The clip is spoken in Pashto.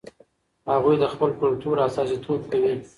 هغوی د خپل کلتور استازیتوب کوي.